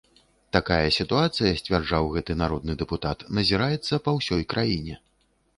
Такая сітуацыя, сцвярджаў гэты народны дэпутат, назіраецца па ўсёй краіне.